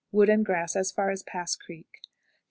Wood and grass as far as Pass Creek. 2 1/2.